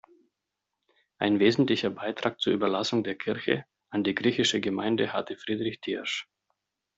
Ein wesentlicher Beitrag zur Überlassung der Kirche an die griechische Gemeinde hatte Friedrich Thiersch.